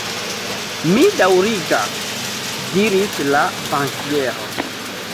Mi daŭrigas, diris la bankiero.